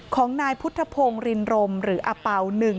ของนายพุทธพงศ์รินรมหรืออาเป่า